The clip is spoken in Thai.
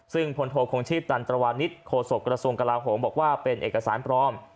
ซึ่งผลโทษคงชีพตันตระวันนิษฐ์โฆษกระทรวงกระลาโหงบอกว่าเป็นเอกสารพร้อม